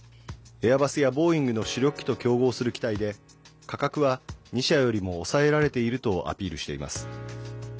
エアバスやボーイングの主力機と競合する機体で価格は２社よりも抑えられているとアピールしています。